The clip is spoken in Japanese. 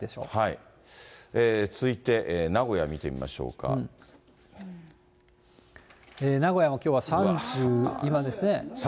続いて名古屋見てみましょう名古屋もきょうは。